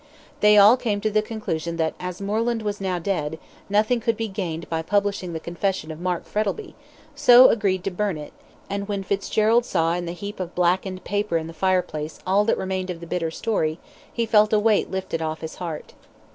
They all came to the conclusion that as Moreland was now dead, nothing could be gained by publishing the confession of Mark Frettlby, so agreed to burn it, and when Fitzgerald saw in the heap of blackened paper in the fireplace all that remained of the bitter story, he felt a weight lifted off his heart.